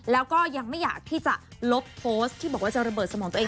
แล้วก็ยังไม่อยากที่จะลบโพสต์ที่บอกว่าจะระเบิดสมองตัวเอง